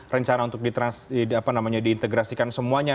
rencana untuk diintegrasikan semuanya